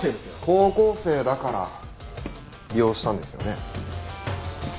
高校生だから利用したんですよね。